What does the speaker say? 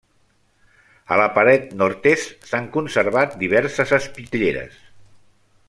A la paret nord-est s'han conservat diverses espitlleres.